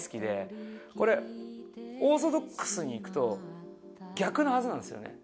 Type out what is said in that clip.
これオーソドックスにいくと逆なはずなんです。